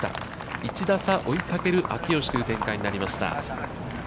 １打差、追いかける秋吉という展開になりました。